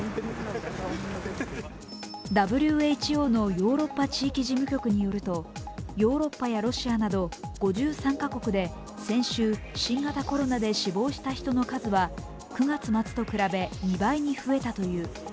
ＷＨＯのヨーロッパ地域事務局によるとヨーロッパやロシアなど５３カ国で先週、新型コロナで死亡した人の数は９月末と比べ２倍に増えたという。